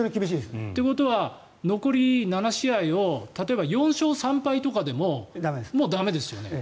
ということは残り７試合を例えば４勝３敗とかでも駄目ですよね。